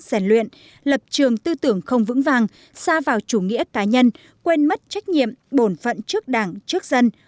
rèn luyện lập trường tư tưởng không vững vàng xa vào chủ nghĩa cá nhân quên mất trách nhiệm bổn phận trước đảng trước dân